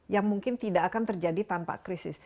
yang mungkin tidak akan terjadi tanpa krisis